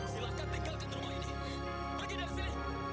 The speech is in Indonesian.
silahkan tinggalkan rumah ini pergi dari sini